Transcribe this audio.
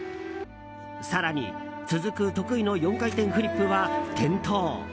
更に、続く得意の４回転フリップは転倒。